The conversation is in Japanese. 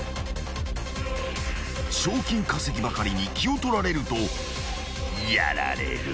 ［賞金稼ぎばかりに気を取られるとやられる］